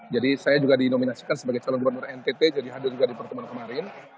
saya juga dinominasikan sebagai calon gubernur ntt jadi hadir juga di pertemuan kemarin